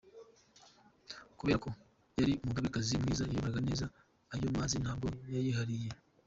Kubera ko yari umugabekazi mwiza wayoboraga neza, ayo mazi ntabwo yayihariye.